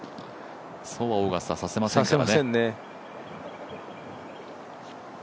そうはオーガスタさせませんからね。